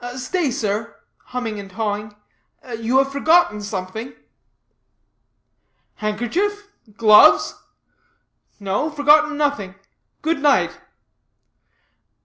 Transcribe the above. "Stay, sir" humming and hawing "you have forgotten something." "Handkerchief? gloves? No, forgotten nothing. Good night."